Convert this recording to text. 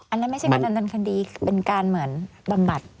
อันนั้นไม่ใช่แบบนั้นคันดีเป็นการเหมือนบำบัด